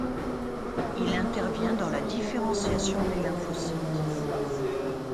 Il intervient dans la différenciation des lymphocytes.